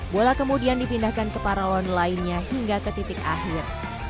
bola kemudian dipindahkan ke paralon lainnya hingga ke titik akhir